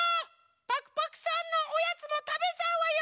パクパクさんのおやつもたべちゃうわよ！